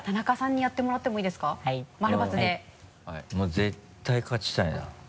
絶対勝ちたいな。